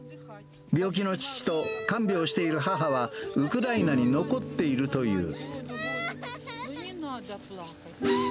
病気の父と看病している母は、ウクライナに残っているという。